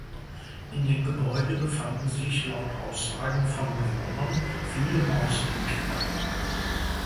In dem Gebäude befanden sich laut Aussagen von Bewohnern viele Mäuse im Keller.